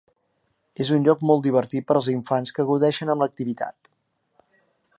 És un lloc molt divertit per als infants que gaudeixen amb l'activitat.